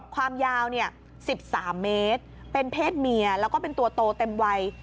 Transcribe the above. ความยาว๑๓เมตรเป็นเพศเมียแล้วก็เป็นตัวโตเต็มวัย